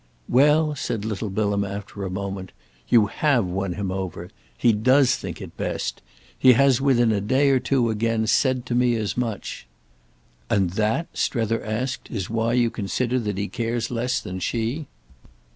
"Well," said little Bilham after a moment, "you have won him over. He does think it best. He has within a day or two again said to me as much." "And that," Strether asked, "is why you consider that he cares less than she?"